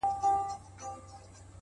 چي تا په گلابي سترگو پرهار پکي جوړ کړ!!